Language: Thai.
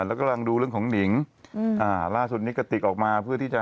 แล้วก็กำลังดูเรื่องของหนิงอืมอ่าล่าสุดนี้กระติกออกมาเพื่อที่จะ